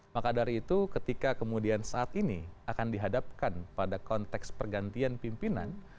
maka dari itu ketika kemudian saat ini akan dihadapkan pada konteks pergantian pimpinan